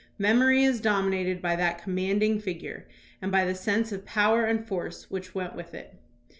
Memory is dominated by that commanding figure and by the sense of power and force which went with it.